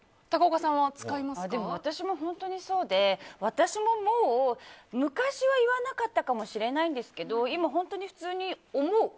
私も本当にそうで私ももう昔は、言わなかったかもしれないんですけど今本当に普通に思う。